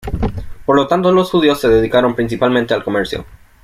Por lo tanto, los judíos se dedicaron principalmente al comercio.